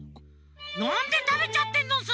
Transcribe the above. なんでたべちゃってんのさ！